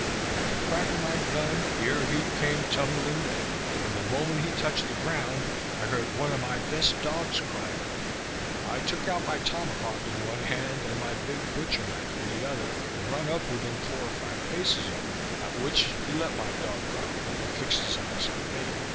At the crack of my gun here he came tumbling down; and the moment he touched the ground, I heard one of my best dogs cry out. I took my tomahawk in one hand, and my big butcher knife in the other, and run up within four or five paces of him, at which he let my dog go, and fixed his eyes on me.